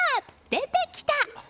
出てきた！